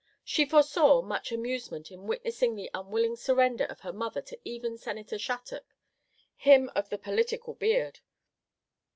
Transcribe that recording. She foresaw much amusement in witnessing the unwilling surrender of her mother to even Senator Shattuc, him of the political beard.